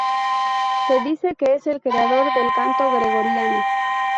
Se dice que es el creador de el canto gregoriano.